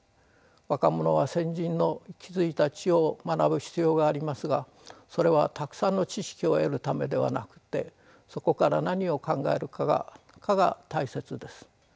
若者は先人の築いた知を学ぶ必要がありますがそれはたくさんの知識を得るためではなくてそこから何を考えるかが大切です。